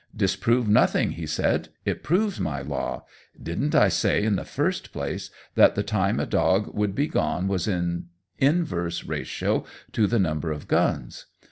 "Disprove nothing!" he said. "It proves my law. Didn't I say in the first place that the time a dog would be gone was in inverse ratio to the number of guns?